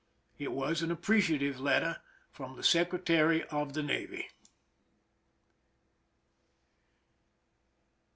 It was an ap preciative letter from the Secretary of the Navy.